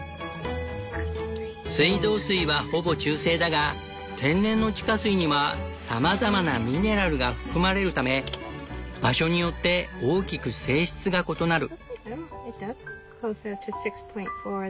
水道水はほぼ中性だが天然の地下水にはさまざまなミネラルが含まれるため場所によって大きく性質が異なる。